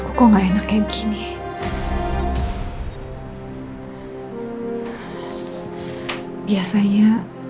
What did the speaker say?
kamu gandeng mama